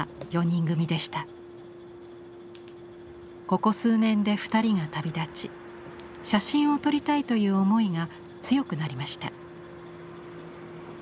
ここ数年で２人が旅立ち写真を撮りたいという思いが強くなりました。